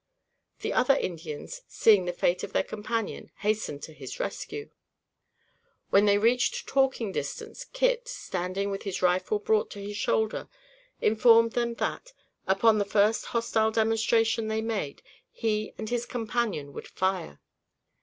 The other Indians, seeing the fate of their companion, hastened to his rescue. When they reached talking distance, Kit, standing with his rifle brought to his shoulder, informed them that, upon the first hostile demonstration they made, he and his companion would fire.